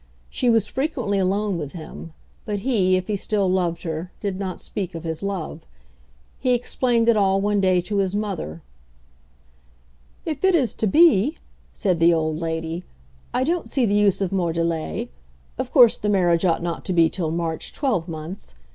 She was frequently alone with him, but he, if he still loved her, did not speak of his love. He explained it all one day to his mother. "If it is to be," said the old lady, "I don't see the use of more delay. Of course the marriage ought not to be till March twelvemonths.